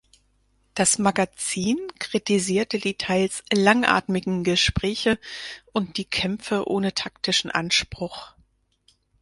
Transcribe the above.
Das Magazin kritisierte die teils langatmigen Gespräche und die Kämpfe ohne taktischen Anspruch.